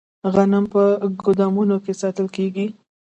غنم په ګدامونو کې ساتل کیږي.